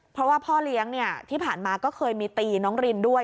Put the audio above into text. เพราะว่าพ่อเลี้ยงเนี่ยที่ผ่านมาก็เคยมีตีน้องรินด้วย